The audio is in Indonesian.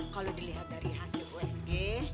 kalau dilihat dari hasil usg